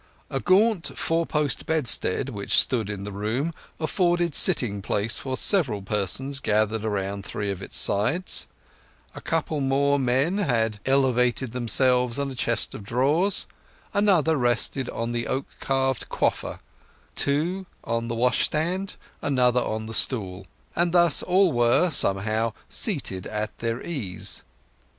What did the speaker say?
A gaunt four post bedstead which stood in the room afforded sitting space for several persons gathered round three of its sides; a couple more men had elevated themselves on a chest of drawers; another rested on the oak carved "cwoffer"; two on the wash stand; another on the stool; and thus all were, somehow, seated at their ease.